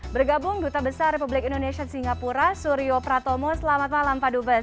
bergabung duta besar republik indonesia singapura suryo pratomo selamat malam pak dubes